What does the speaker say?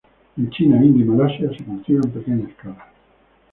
En China, India y Malasia se cultiva en pequeña escala.